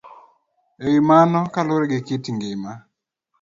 E wi mano, kaluwore gi kit ngima